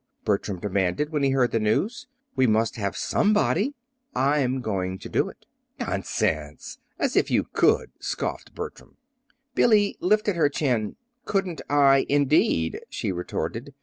Bertram demanded, when he heard the news. "We must have somebody!" "I'm going to do it." "Nonsense! As if you could!" scoffed Bertram. Billy lifted her chin. "Couldn't I, indeed," she retorted.